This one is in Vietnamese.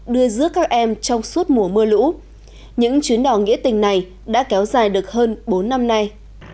đưa giữa các em trong suốt mùa mưa lũ những chuyến đò nghĩa tình này đã kéo dài được hơn bốn năm nay